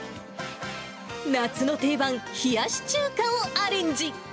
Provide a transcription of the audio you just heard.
夏の定番、冷やし中華をアレンジ。